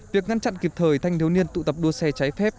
việc ngăn chặn kịp thời thanh thiếu niên tụ tập đua xe trái phép